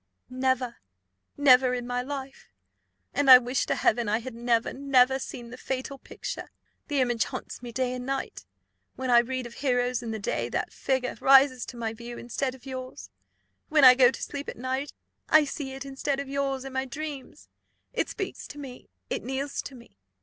"Never never in my life; and I wish to Heaven I had never, never seen the fatal picture! the image haunts me day and night. When I read of heroes in the day, that figure rises to my view, instead of yours. When I go to sleep at night, I see it, instead of yours, in my dreams; it speaks to me, it kneels to me.